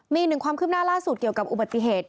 มีอีกหนึ่งความคืบหน้าล่าสุดเกี่ยวกับอุบัติเหตุ